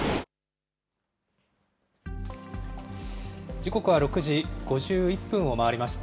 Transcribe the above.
時刻は６時５１分を回りました。